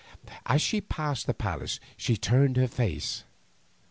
As she passed the palace she turned her face.